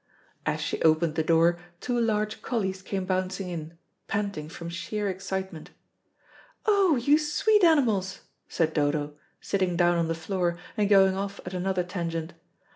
As she opened the door two large collies came bouncing in, panting from sheer excitement. "Oh, you sweet animals," said Dodo, sitting down on the floor and going off at another tangent.